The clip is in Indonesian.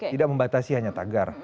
tidak membatasi hanya tagar